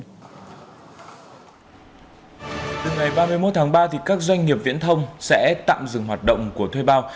từ ngày ba mươi một tháng ba các doanh nghiệp viễn thông sẽ tạm dừng hoạt động của thuê bao